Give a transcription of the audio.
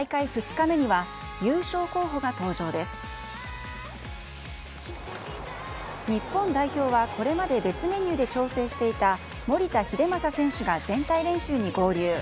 日本代表はこれまで別メニューで調整していた守田英正選手が全体練習に合流。